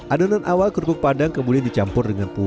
adonan awal kerupuk padang kemudian dicampur dengan pupuk